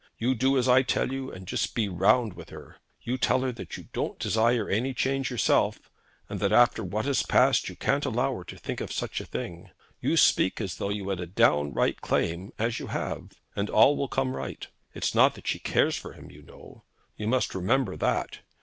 You do as I tell you, and just be round with her. You tell her that you don't desire any change yourself, and that after what has passed you can't allow her to think of such a thing. You speak as though you had a downright claim, as you have; and all will come right. It's not that she cares for him, you know. You must remember that.